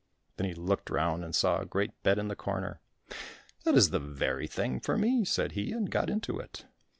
Then he looked round and saw a great bed in the corner. "That is the very thing for me," said he, and got into it.